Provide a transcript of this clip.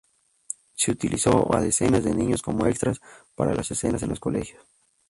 Se utilizó a docenas de niños como extras para las escenas en los colegios.